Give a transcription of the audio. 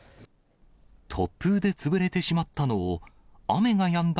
突風で潰れてしまったのを、雨がやんだ